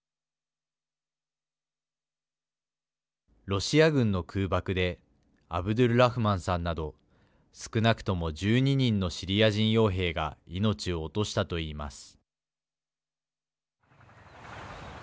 ロシア軍の空爆でアブドゥルラフマンさんなど少なくとも１２人のシリア人よう兵が命を落としたといいます。